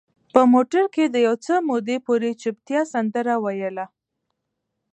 په موټر کې د یو څه مودې پورې چوپتیا سندره ویله.